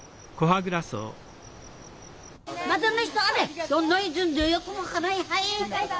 はい！